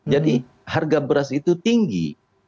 jadi harga beras itu tinggi